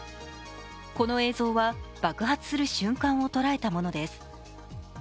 この映像は爆発する瞬間を捉えたものです。